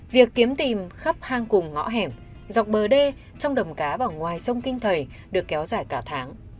việc kiếm tìm khắp hang cùng ngõ hẻm dọc bờ đê trong đầm cá và ngoài sông kinh thầy được kéo dài cả tháng